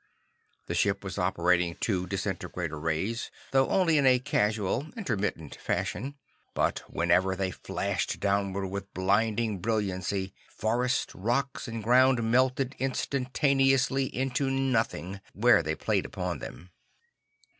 The ship was operating two disintegrator rays, though only in a casual, intermittent fashion. But whenever they flashed downward with blinding brilliancy, forest, rocks and ground melted instantaneously into nothing, where they played upon them.